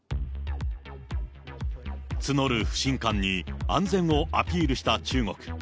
募る不信感に安全をアピールした中国。